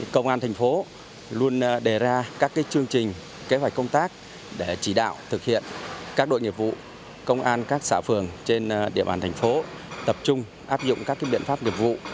công an thành phố luôn đề ra các chương trình kế hoạch công tác để chỉ đạo thực hiện các đội nghiệp vụ công an các xã phường trên địa bàn thành phố tập trung áp dụng các biện pháp nghiệp vụ